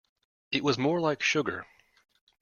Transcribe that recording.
It was more like sugar.